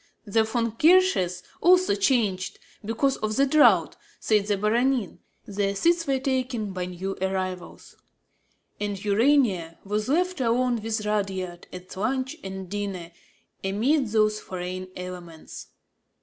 The Von Rothkirches also changed, because of the draught, said the Baronin; their seats were taken by new arrivals; and Urania was left alone with Rudyard at lunch and dinner, amid those foreign elements.